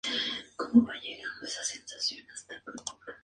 Se formó en la Derby School y en la Universidad de Cambridge.